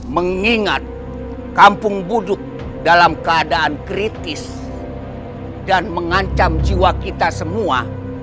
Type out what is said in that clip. mengingat kampung buduk dalam keadaan kritis dan mengancam jiwa kita semua